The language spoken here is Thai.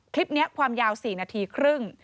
คลิปนี้ความยาว๔นาทีครึ่ง